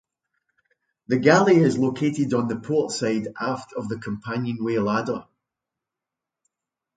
The galley is located on the port side aft of the companionway ladder.